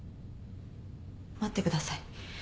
待ってください。